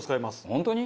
本当に？